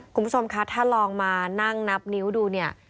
คุณผู้ชมคะถ้าลองมานั่งนับนิ้วดูเนี่ย